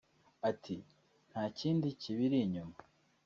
Ati “Nta kindi kibiri inyuma